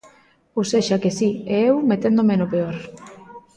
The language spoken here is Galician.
Ou sexa que si, e eu meténdome no peor...